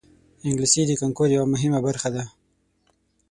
انګلیسي د کانکور یوه مهمه برخه ده